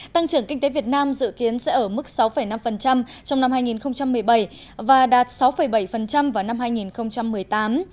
tăng trưởng kinh tế việt nam dự kiến sẽ ở mức sáu năm trong năm hai nghìn một mươi bảy và đạt sáu bảy vào năm hai nghìn một mươi tám